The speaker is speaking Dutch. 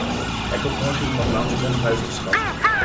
Er komt morgen iemand langs om ons huis te schatten.